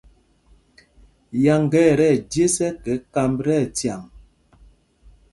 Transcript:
Yáŋgá ɛ tí ɛjes ɛkɛ kámb tí ɛcyaŋ.